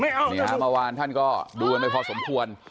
นี่ฮะเมื่อวานท่านก็ดูกันไปพอสมควร